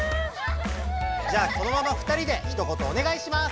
じゃあこのまま２人でひと言おねがいします。